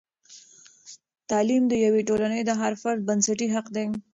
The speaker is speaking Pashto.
تعلیم د یوې ټولنې د هر فرد بنسټي حق دی.